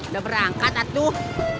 udah berangkat atuh